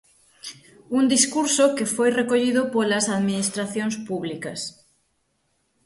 Un discurso que foi recollido polas Administracións publicas.